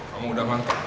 kamu udah mantap